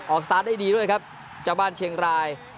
สตาร์ทได้ดีด้วยครับเจ้าบ้านเชียงราย